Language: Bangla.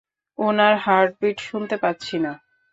উনার হার্টবিট শুনতে পাচ্ছি না।